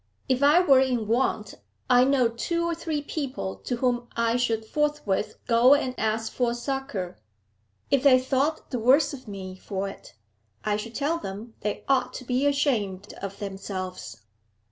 If I were in want, I know two or three people to whom I should forthwith go and ask for succour; if they thought the worse of me for it, I should tell them they ought to be ashamed of themselves.